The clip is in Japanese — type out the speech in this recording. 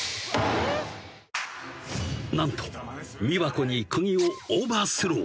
［何と美琶子に釘をオーバースロー］